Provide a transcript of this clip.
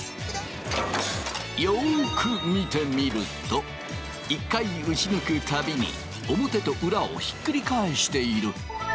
よく見てみると一回打ち抜く度に表と裏をひっくり返している。